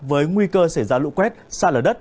với nguy cơ xảy ra lũ quét xa lở đất